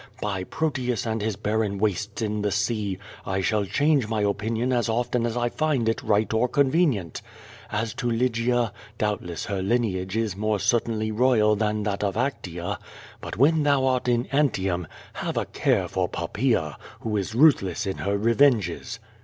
By Proteus and his barren wastes in the sea! I shall change my opinion as often as I find it right or convenient. As to Lygia, doubtless her lineage is more certainly royal than that of Actea. But wlien thou art in Antium, have a care for Pop paea, who is ruthless in her revenges."